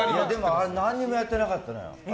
何にもやってなかったのよ。